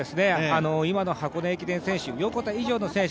今の箱根駅伝選手、横田以上の選手